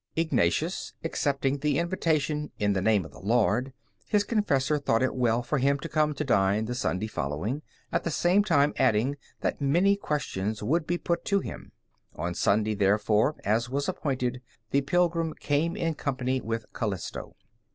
Ignatius accepting the invitation "in the name of the Lord," his confessor thought it well for him to come to dine the Sunday following, at the same time adding that many questions would be put to him. On Sunday, therefore, as was appointed, the pilgrim came in company with Calisto.